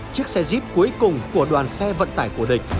chiếc xe jep cuối cùng của đoàn xe vận tải của địch